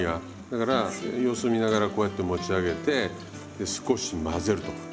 だから様子見ながらこうやって持ち上げてで少し混ぜると。